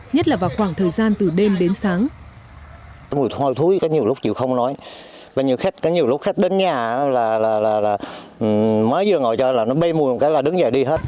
nhất là vào khoảng thời gian từ đêm đến sáng